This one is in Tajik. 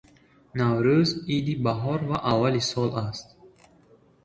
Наврӯз иди баҳор ва аввали сол аст.